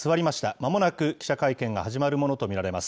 まもなく記者会見が始まるものと見られます。